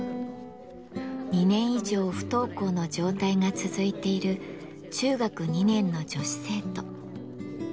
２年以上不登校の状態が続いている中学２年の女子生徒。